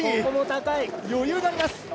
ここも高い余裕があります